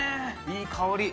いい香り！